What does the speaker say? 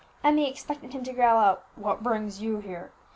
Emmie expected him to growl out, "What brings you here?"